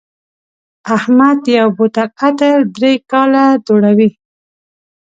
احمد یو بوتل عطر درې کاله دوړوي.